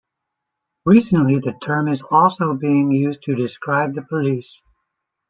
Recently, the term is also being used to describe the police.